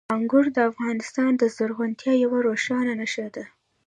انګور د افغانستان د زرغونتیا یوه روښانه نښه ده.